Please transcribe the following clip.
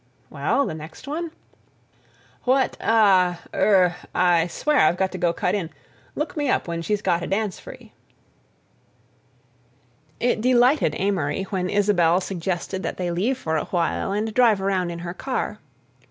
"Well, the next one?" "What—ah—er—I swear I've got to go cut in—look me up when she's got a dance free." It delighted Amory when Isabelle suggested that they leave for a while and drive around in her car.